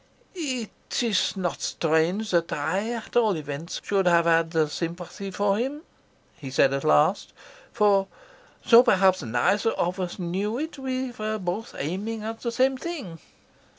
"It is not strange that I, at all events, should have had sympathy for him," he said at last, "for, though perhaps neither of us knew it, we were both aiming at the same thing."